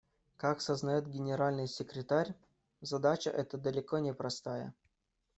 Как сознает Генеральный секретарь, задача эта далеко не простая.